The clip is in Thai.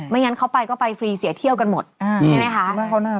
งั้นเขาไปก็ไปฟรีเสียเที่ยวกันหมดใช่ไหมคะ